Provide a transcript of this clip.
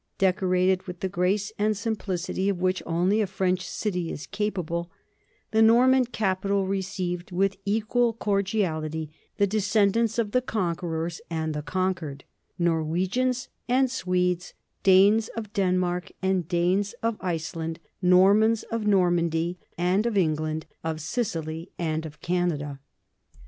Dec orated with the grace and simplicity of which only a French city is capable, the Norman capital received with equal cordiality the descendants of the conquerors and the conquered Norwegians and Swedes, Danes of Denmark and Danes of Iceland, Normans of Nor mandy and of England, of Sicily and of Canada.